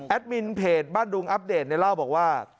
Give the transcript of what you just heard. มินเพจบ้านดุงอัปเดตเล่าบอกว่า